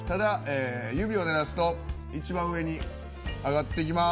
指を鳴らすと一番上に上がってきます。